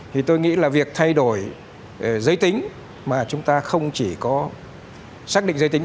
thì tôi nghĩ là việc thay đổi giới tính mà chúng ta không chỉ có xác định giới tính